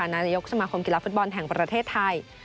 นายกสมาคมกีฬาฟุตบอลแห่งประเทศไทย